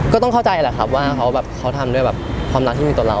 ก็ต้องเข้าใจแหละครับว่าเขาทำด้วยแบบความรักที่มีต่อเรา